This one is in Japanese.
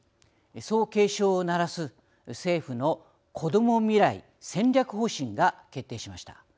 そう警鐘を鳴らす政府のこども未来戦略方針が決定しました。